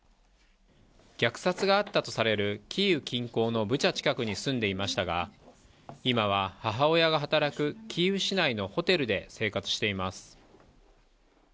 虐殺があったとされるキーウ近郊のブチャ近くに住んでいましたが、今は母親が働くキーウ市内のホテルで生活しています。